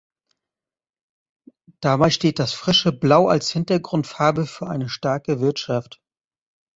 Dabei steht das frische Blau als Hintergrundfarbe für eine starke Wirtschaft.